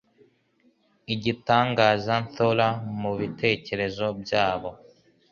igitangaza nthora mu bitekerezo byabo.